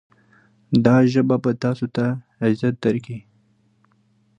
دا ژبه به تاسې ته عزت درکړي.